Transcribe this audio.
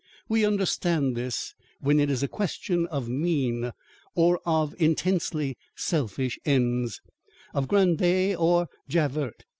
We understand this when it is a question of mean, or of intensely selfish ends of Grandet, or Javert.